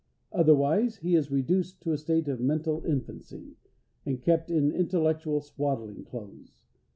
Otherwise, he is reduced to a state of mental infancy, and kept in intellectual swaddling clothes.